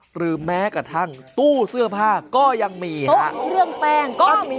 หรือแม้กระทั่งตู้เสื้อผ้าก็ยังมีฮะเครื่องแป้งก็มี